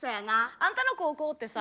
あんたの高校ってさ